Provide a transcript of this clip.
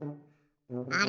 あれ？